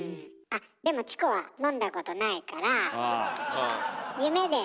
あっでもチコは飲んだことないから。